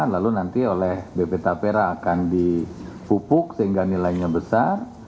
lalu nanti oleh bp tapera akan dipupuk sehingga nilainya besar